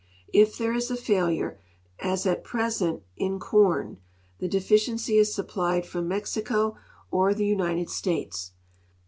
If there is a failure, as at present in corn, the deficiency is su])plied from Mexico or the United States.